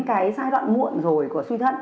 cái giai đoạn muộn rồi của suy thận